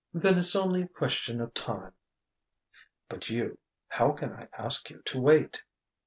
"Then it's only a question of time." "But you how can I ask you to wait?"